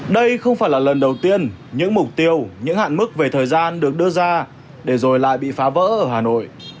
đây không phải là lần đầu tiên những mục tiêu những hạn mức về thời gian được đưa ra để rồi lại bị phá vỡ ở hà nội